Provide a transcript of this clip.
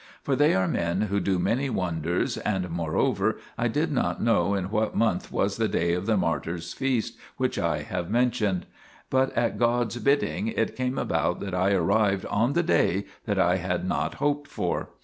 For they are men who do many wonders, and, moreover, I did not know in what month was the day of the martyr's feast which I have mentioned ; but at God's bidding it came about that I arrived on the day that I had not hoped for.